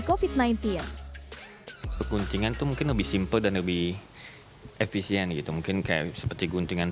covid sembilan belas guntingan itu mungkin lebih simpel dan lebih efisien gitu mungkin kayak seperti guntingan